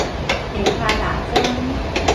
下跤踏庄